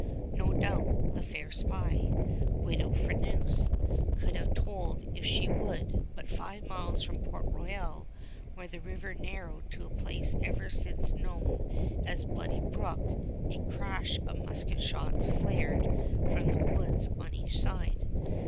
No doubt the fair spy, Widow Freneuse, could have told if she would; but five miles from Port Royal, where the river narrowed to a place ever since known as Bloody Brook, a crash of musket shots flared from the woods on each side.